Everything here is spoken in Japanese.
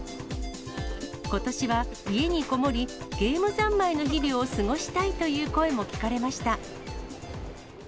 ことしは家にこもり、ゲーム三昧の日々を過ごしたいという声も聞かれました。